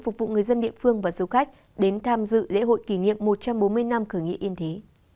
phục vụ người dân địa phương và du khách đến tham dự lễ hội kỷ niệm một trăm bốn mươi năm khởi nghĩa yên thế